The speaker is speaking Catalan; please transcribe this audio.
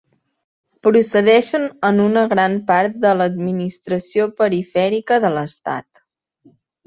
Procedeixen en una gran part de l’administració perifèrica de l’Estat.